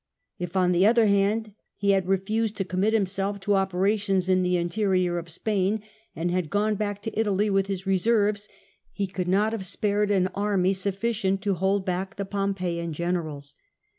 If, on the other hand, he had refused to commit himself to opera tions in the interior of Spain, and had gone back to Italy with his reserves, he could not have spared an army sufiicient to hold back the Pompeian generals.